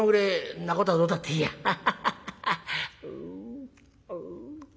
んなことはどうだっていいや。ハハハ」。